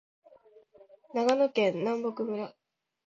長野県南牧村